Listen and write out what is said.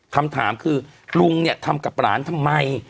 คำถามคือลุงเนี่ยทำกับหลานทำไม